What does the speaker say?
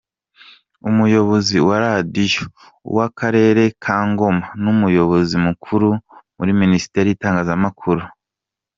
Umuyobozi wa Radio, uw'Akarere ka Ngoma, n'umuyobozi mukuru miri minisiteri y'itanagzamakuru.